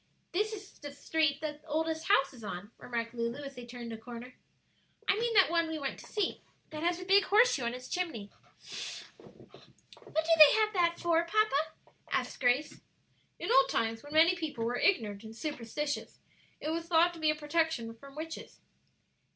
"This is the street that oldest house is on," remarked Lulu, as they turned a corner; "I mean that one we went to see; that has the big horse shoe on its chimney." "What do they have that for, papa?" asked Grace. "In old times when many people were ignorant and superstitious, it was thought to be a protection from witches."